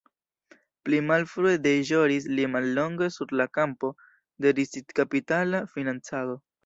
Pli malfrue deĵoris li mallonge sur la kampo de risikkapitala financado.